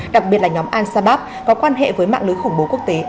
đặc biệt là nhóm al shabaab có quan hệ với mạng lưới khủng bố quốc tế al qaeda